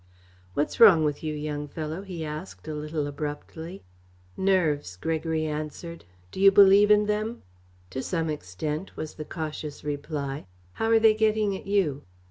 "What's wrong with you, young fellow?" he asked a little abruptly. "Nerves," Gregory answered. "Do you believe in them?" "To some extent," was the cautious reply. "How are they getting at you?"